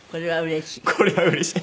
これはうれしい。